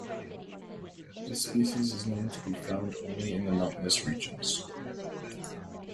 This species is known to be found only in mountainous regions.